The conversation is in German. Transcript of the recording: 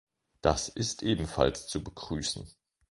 Das ist ebenfalls zu begrüßen.